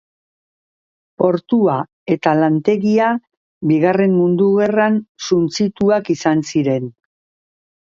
Portua eta lantegia, Bigarren Mundu Gerran suntsituak izan ziren.